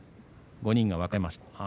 ５人が分かれました。